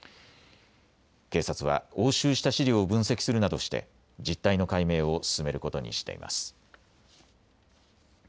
警察は押収した資料を分析するなどして実態の解明を進めることにしています。